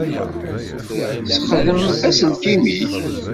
Ssexdem aselkim-ik.